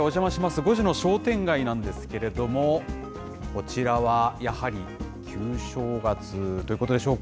５時の商店街なんですが、こちらはやはり旧正月ということでしょうか。